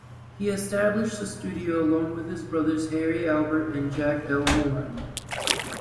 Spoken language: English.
He established the studio along with his brothers Harry, Albert, and Jack L. Warner.